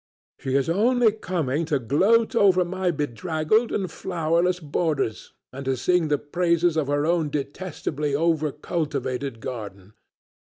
She is only coming to gloat over my bedraggled and flowerless borders and to sing the praises of her own detestably over cultivated garden.